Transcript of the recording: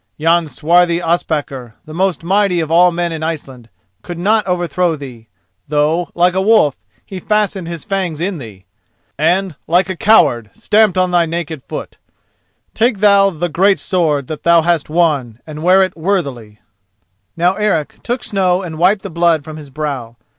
Yon swarthy Ospakar, the most mighty of all men in Iceland, could not overthrow thee, though, like a wolf, he fastened his fangs in thee, and, like a coward, stamped upon thy naked foot. Take thou the great sword that thou hast won and wear it worthily." Now Eric took snow and wiped the blood from his brow.